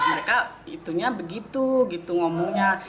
mereka itunya begitu gitu ngomongnya